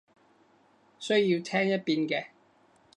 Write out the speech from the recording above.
需要聽一遍嘅